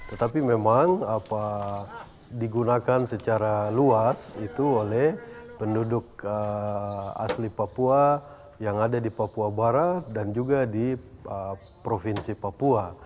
tetapi memang digunakan secara luas itu oleh penduduk asli papua yang ada di papua barat dan juga di provinsi papua